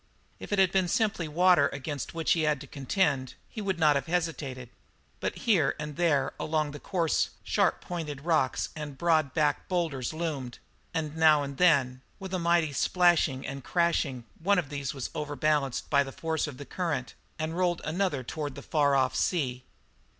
If it had been simply water against which he had to contend, he would not have hesitated, but here and there along the course sharp pointed rocks and broad backed boulders loomed, and now and then, with a mighty splashing and crashing one of these was overbalanced by the force of the current and rolled another step toward the far off sea.